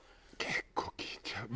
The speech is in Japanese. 結構聞いちゃう。